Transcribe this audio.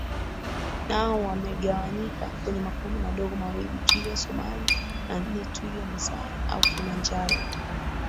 nao wamegawanyika kwenye makundi madogo mawili Twiga Somali na nne twiga Masai au Kilimanjaro